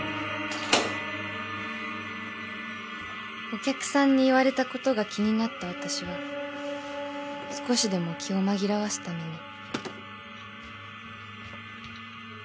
［お客さんに言われたことが気になった私は少しでも気を紛らわすために］